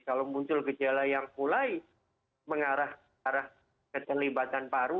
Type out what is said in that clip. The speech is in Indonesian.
kalau muncul gejala yang mulai mengarah ke celibatan paru